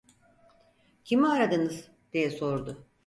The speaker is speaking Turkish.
"Kimi aradınız?" diye sordu.